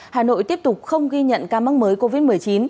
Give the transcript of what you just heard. hà nội tiếp tục không ghi nhận ca mắc mới covid một mươi chín